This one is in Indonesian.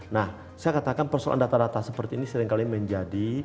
nah saya katakan persoalan data data seperti ini seringkali menjadi